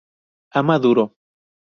Ama duro.